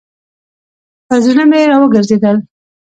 پر زړه مي راوګرځېدل .